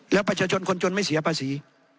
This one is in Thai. แล้วประชาชนคนจนไม่เสียภาษี